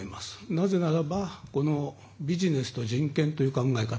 なぜならばビジネスと人権という考え方